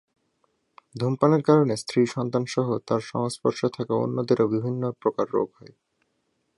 ধূমপানের কারণে স্ত্রী, সন্তানসহ তার সংস্পর্শে থাকা অন্যদেরও বিভিন্ন প্রকার রোগ হয়।